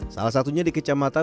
salah satunya di kecamatan